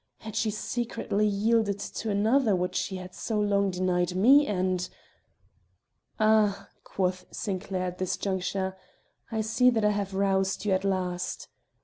had she secretly yielded to another what she had so long denied me and "Ah!" quoth Sinclair at this juncture, "I see that I have roused you at last."